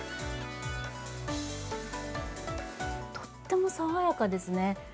とっても爽やかですね。